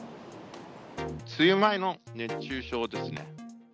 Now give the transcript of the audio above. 梅雨前の熱中症ですね。